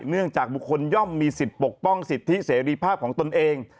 เนื่องจากบุคคลย่อมมีสิทธิ์ปกป้องสิทธิเสรีภาพของตนเอง